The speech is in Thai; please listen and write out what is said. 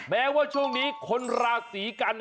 แม้ว่าช่วงนี้คนราศีกัน